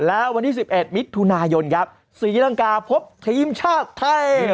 และวันที่๑๑มิถุนายนครับศรีลังกาพบทีมชาติไทย